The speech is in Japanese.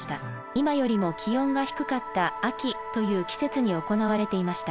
今よりも気温が低かった「秋」という季節に行われていました。